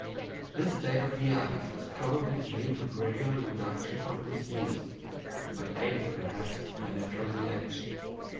This state of the eyes is probably due to gradual reduction from disuse, but aided perhaps by natural selection.